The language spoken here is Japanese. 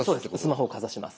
スマホをかざします。